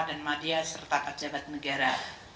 dan madya serta pejabat negara